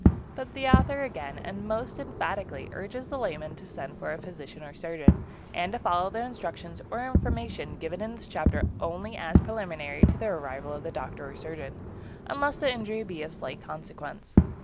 But the author again, and most emphatically, urges the layman to send for a physician or surgeon, and to follow the instructions or information given in this chapter only as preliminary to the arrival of the doctor or surgeon, unless the injury be of slight consequence.